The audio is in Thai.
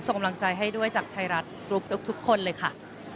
กำลังใจให้ด้วยจากไทยรัฐกรุ๊ปทุกคนเลยค่ะ